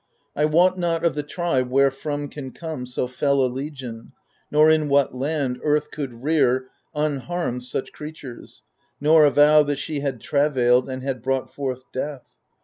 I wot not of the tribe wherefrom can come So fell a legion, nor in what land Earth Could rear, unharmed, such creatures, nor avow That she had travailed and had brought forth death.